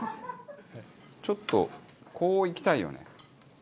ちょっとこういきたいよね。